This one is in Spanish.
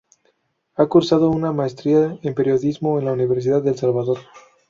Ha cursado una maestría en Periodismo en la Universidad del Salvador.